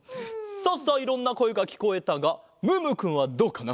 さあさあいろんなこえがきこえたがムームーくんはどうかな？